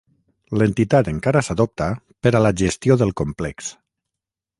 L'entitat encara s'adopta per a la gestió del complex.